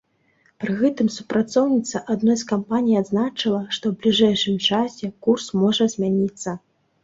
Пры гэтым супрацоўніца адной з кампаній адзначыла, што ў бліжэйшым часе курс можа змяніцца.